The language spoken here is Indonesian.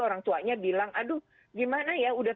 orang tuanya bilang aduh gimana ya udah